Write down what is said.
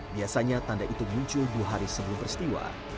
biasanya tanda itu muncul dua hari sebelum peristiwa